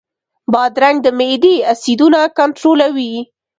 بادرنګ د معدې اسیدونه کنټرولوي.